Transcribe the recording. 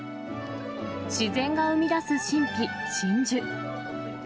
自然が生み出す神秘、真珠。